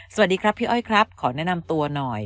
สวัสดีครับพี่อ้อยครับขอแนะนำตัวหน่อย